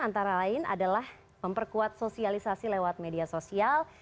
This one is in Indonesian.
antara lain adalah memperkuat sosialisasi lewat media sosial